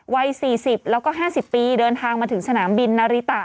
วัย๔๐แล้วก็๕๐ปีเดินทางมาถึงสนามบินนาริตะ